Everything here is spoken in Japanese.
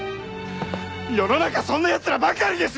世の中そんな奴らばかりですよ！